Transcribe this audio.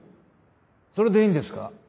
それでいいんですか？